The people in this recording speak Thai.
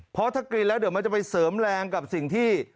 เพราะถ้ากินแล้วเดี๋ยวมันจะไปเสริมแรงกับสิ่งที่